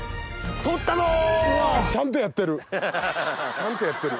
ちゃんとやってる。